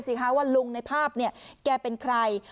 ว่าลุงในภาพเนี่ยแกเป็นใคร